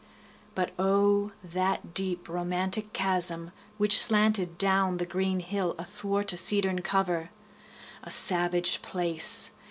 But O, that deep romantic chasm which slanted Down the green hill athwart a cedarn cover! A savage place!